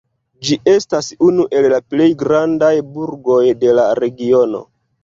Ĝi estas unu el la plej grandaj burgoj de la regiono.